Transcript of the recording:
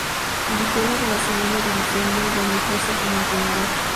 Guijuelo de la Segunda División B, donde ejerce como entrenador.